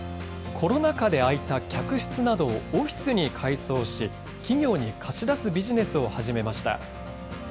コロナ禍で空いた客室などをオフィスに改装し、企業に貸し出すビジネスを始めました。